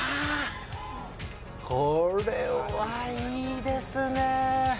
これはいいですね。